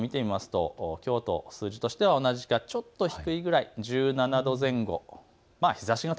各地の最高気温を見てみますときょうと数字としては同じかちょっと低いくらい、１７度前後。